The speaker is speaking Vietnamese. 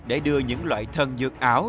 đưa những loại thân dược ảo